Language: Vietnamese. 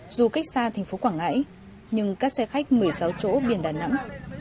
dù cách xa thành phố quảng ngãi nhưng các xe khách một mươi sáu chỗ biển đà nẵng